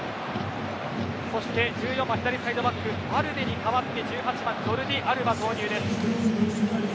そして１４番、左サイドバックのバルデに代わって１８番、ジョルディ・アルバ投入。